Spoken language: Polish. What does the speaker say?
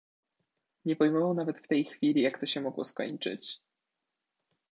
"Nie pojmował nawet w tej chwili, jak to się mogło skończyć."